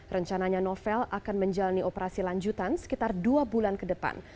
rencananya novel akan menjalani operasi lanjutan sekitar dua bulan ke depan